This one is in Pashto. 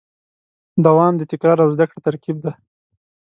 دوام د تکرار او زدهکړې ترکیب دی.